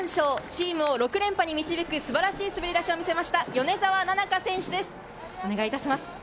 チームを６連覇に導く素晴らしい滑り出しを見せました、米澤奈々香選手です。